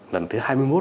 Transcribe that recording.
lần thứ hai mươi một